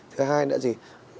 thứ hai nữa là gì